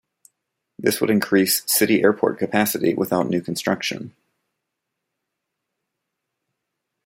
This would increase city airport capacity without new construction.